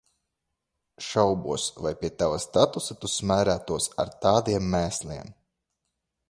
Šaubos, vai pie tava statusa tu smērētos ar tādiem mēsliem.